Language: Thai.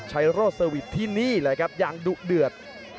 ชัยโรสเซอร์วิทย์ที่นี่เลยครับยังดุเดือด